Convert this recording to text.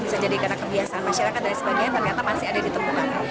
bisa jadi karena kebiasaan masyarakat dan sebagainya ternyata masih ada ditemukan